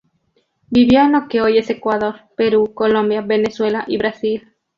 Vivió en lo que hoy es Ecuador, Perú, Colombia, Venezuela, y Brasil.